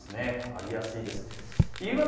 変わりやすいです。